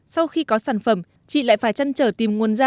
sau khi có sản phẩm chị lại phải chăn trở tìm nguồn da